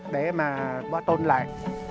để mà bỏ tôn lại